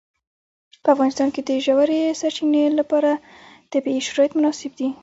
په افغانستان کې د ژورې سرچینې لپاره طبیعي شرایط مناسب دي.